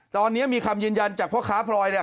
ตอนนี้มีคำยืนยันจากพ่อค้าพลอยเนี่ย